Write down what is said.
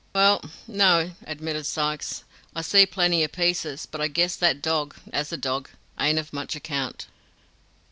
"'Well, no,' admitted Sykes; 'I see plenty of pieces, but I guess that dog as a dog, ain't of much account.'